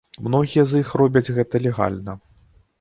Многія з іх робяць гэта легальна.